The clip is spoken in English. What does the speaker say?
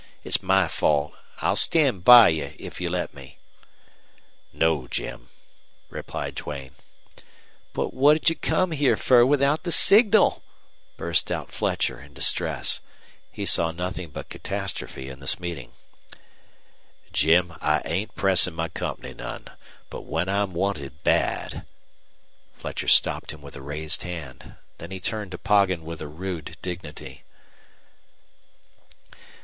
It's my fault. I'll stand by you if you let me." "No, Jim," replied Duane. "But what'd you come fer without the signal?" burst out Fletcher, in distress. He saw nothing but catastrophe in this meeting. "Jim, I ain't pressin' my company none. But when I'm wanted bad " Fletcher stopped him with a raised hand. Then he turned to Poggin with a rude dignity.